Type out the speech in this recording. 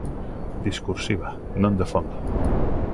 Discursiva, non de fondo.